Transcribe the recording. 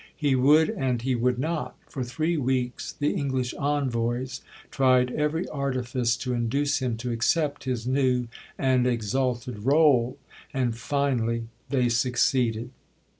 He would, and he would not. For three weeks the English envoys tried every artifice to induce him to accept his new and exalted rôle and finally they succeeded.